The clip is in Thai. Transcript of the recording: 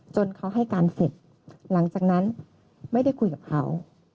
จนเขาให้การเสร็จหลังจากนั้นไม่ได้คุยกับเขา